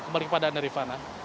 kembali kepada anda rifana